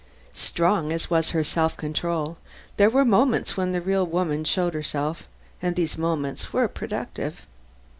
Strong as was her self control there were moments when the real woman showed herself, and these moments were productive.